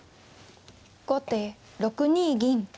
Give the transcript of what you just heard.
後手６二銀。